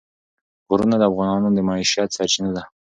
غرونه د افغانانو د معیشت سرچینه ده.